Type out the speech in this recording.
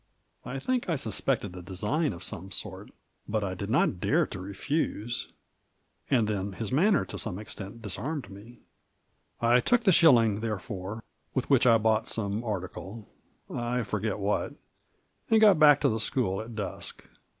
I think I suspected a design of some sort, but I did not dare to refuse, and then his manner to some extent disarmed me. I took the shilling, therefore, with which I bought some article — I forget what — ^and got back to the school at dusk.